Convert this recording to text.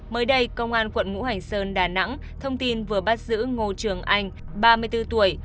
mới đây công an quận ngũ hành sơn đà nẵng thông tin vừa bắt giữ ngô trường anh ba mươi bốn tuổi